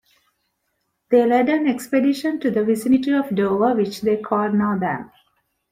They led an expedition to the vicinity of Dover, which they called Northam.